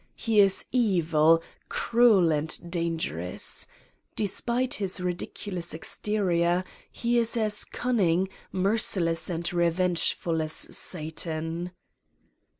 He is evil, cruel and dangerous. Despite his ridiculous exterior, he is as cunning, merciless and revengeful as Satan!"